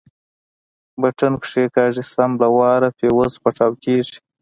بټن کښېکاږي سم له وارې فيوز پټاو کېږي.